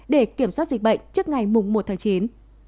để kiểm soát dịch bệnh trước ngày một tháng chín